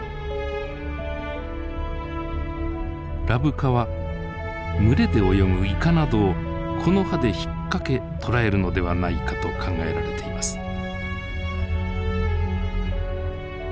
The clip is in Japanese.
ラブカは群れで泳ぐイカなどをこの歯で引っ掛け捕らえるのではないかと考えられています。